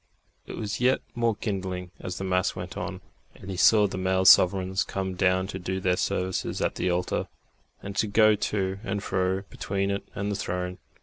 It was yet more kindling as the mass went on, and he saw the male sovereigns come down to do their services at the altar, and to go to and fro between it and the Throne.